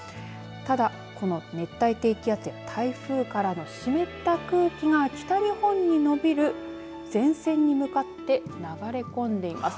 ただ熱帯低気圧や台風からの湿った空気が北日本に延びる前線に向かって流れ込んでいます。